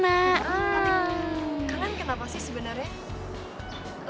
nanti kalian kenapa sih sebenarnya